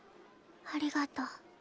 ありがとう。